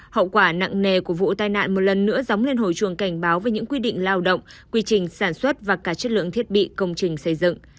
hậu quả nặng nề của vụ tai nạn một lần nữa dóng lên hồi chuồng cảnh báo về những quy định lao động quy trình sản xuất và cả chất lượng thiết bị công trình xây dựng